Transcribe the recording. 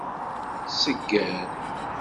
Segger.